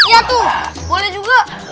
ya tuh boleh juga